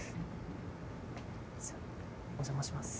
じゃお邪魔します。